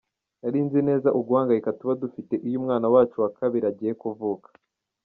Nari nzi neza uguhangayika tuba dufite iyo umwana wacu wa kabiri agiye kuvuka.